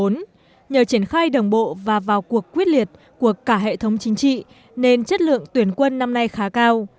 năm hai nghìn một mươi chín nhờ triển khai đồng bộ và vào cuộc quyết liệt của cả hệ thống chính trị nên chất lượng tuyển quân năm nay khá cao